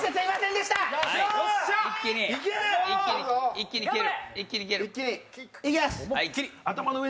一気に蹴る。